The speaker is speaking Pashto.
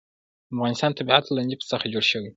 د افغانستان طبیعت له نفت څخه جوړ شوی دی.